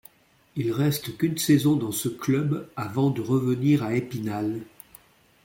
Il reste qu'une saison dans ce club avant de revenir à Épinal.